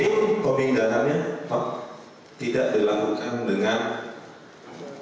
itu pemindahannya pak tidak dilakukan dengan standar